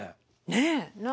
ねえ。